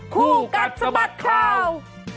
คู่กัดสะบัดข่าว